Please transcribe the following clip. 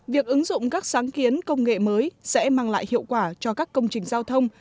việc ứng dụng các sáng kiến công nghệ mới sẽ mang lại hiệu quả cho các công trình giao thông